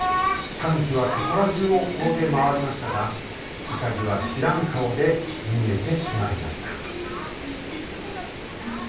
タヌキはそこらじゅうをころげまわりましたがウサギはしらんかおでにげてしまいました。